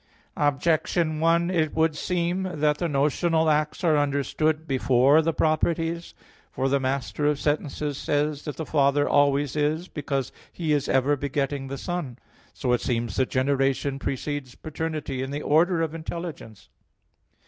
Objection 1: It would seem that the notional acts are understood before the properties. For the Master of the Sentences says (Sent. i, D, xxvii) that "the Father always is, because He is ever begetting the Son." So it seems that generation precedes paternity in the order of intelligence.